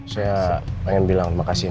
saya ingin bilang terima kasih mir